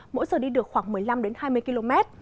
mỗi giờ đi được khoảng một mươi năm hai mươi km